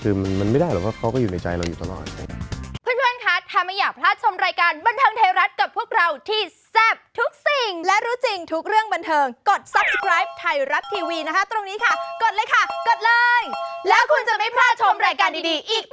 คือมันไม่ได้หรอกว่าเขาก็อยู่ในใจเราอยู่ตลอด